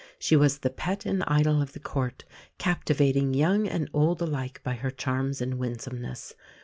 She was the pet and idol of the Court, captivating young and old alike by her charms and winsomeness.